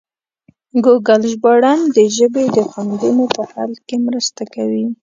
ګوګل ژباړن د ژبې د خنډونو په حل کې مرسته کوي.